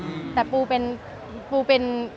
สวัสดีคุณครับสวัสดีคุณครับ